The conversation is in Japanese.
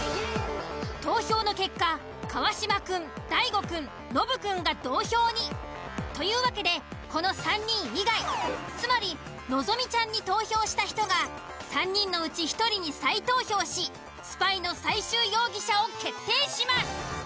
投票の結果川島くん大悟くんノブくんが同票に。というわけでこの３人以外つまり希ちゃんに投票した人が３人のうち１人に再投票しスパイの最終容疑者を決定します。